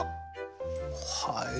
はい。